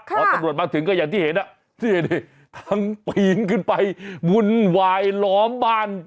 พอตำรวจมาถึงก็อย่างที่เห็นทั้งปีนขึ้นไปวุ่นวายล้อมบ้าน